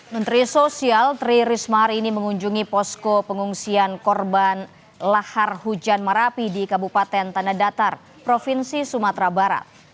menteri sosial tri risma hari ini mengunjungi posko pengungsian korban lahar hujan merapi di kabupaten tanah datar provinsi sumatera barat